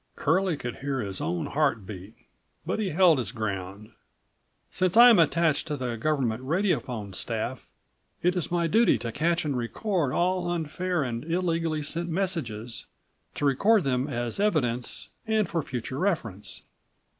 Curlie could hear his own heart beat, but he held his ground. "Since I am attached to the90 government radiophone staff, it is my duty to catch and record all unfair and illegally sent messages, to record them as evidence and for future reference."